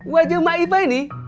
wajah ma ipa ini